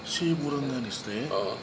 si ibu ranganiste